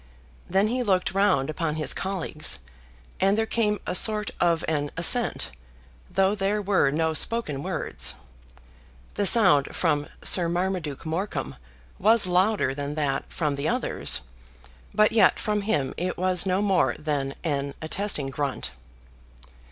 Then he looked round upon his colleagues, and there came a sort of an assent, though there were no spoken words. The sound from Sir Marmaduke Morecombe was louder than that from the others; but yet from him it was no more than an attesting grunt.